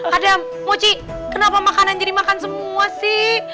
ada moci kenapa makanan jadi makan semua sih